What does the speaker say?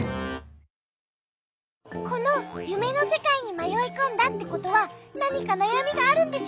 このゆめのせかいにまよいこんだってことはなにかなやみがあるんでしょ？